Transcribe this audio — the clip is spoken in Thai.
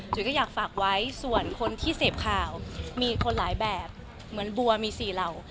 ก็อยากฝากไว้ส่วนคนที่เสพข่าวมีคนหลายแบบเหมือนบัวมี๔เหล่า